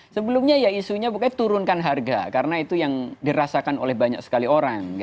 sebelumnya ya isunya bukan turunkan harga karena itu yang dirasakan oleh banyak sekali orang